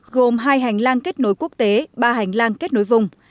gồm hai hành lang kết nối quốc tế ba hành lang kết nối vùng